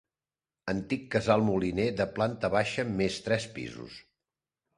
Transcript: Antic casal moliner de planta baixa més tres pisos.